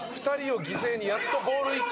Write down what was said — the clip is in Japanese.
２人を犠牲にやっとボール１